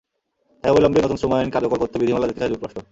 তাই অবিলম্বে নতুন শ্রম আইন কার্যকর করতে বিধিমালা দেখতে চায় যুক্তরাষ্ট্র।